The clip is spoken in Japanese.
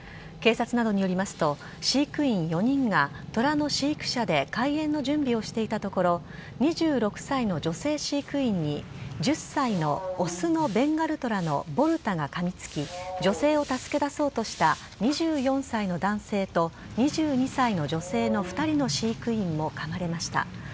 警察などによりますと、飼育員４人が、トラの飼育舎で開園の準備をしていたところ、２６歳の女性飼育員に、１０歳の雄のベンガルトラのボルタがかみつき、女性を助け出そうとした、２４歳の男性と２２歳の女性の２人の飼育員のかまれました。